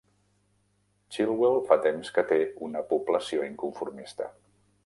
Chilwell fa temps que té una població inconformista.